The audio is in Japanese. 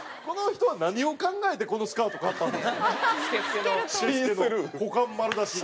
この人は何を考えてこのスカートを買ったんですか？